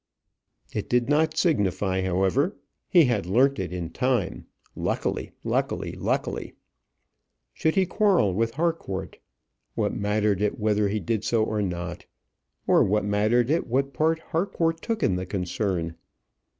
It did not signify however; he had learnt it in time luckily, luckily, luckily." Should he quarrel with Harcourt? What mattered it whether he did or no? or what mattered it what part Harcourt took in the concern?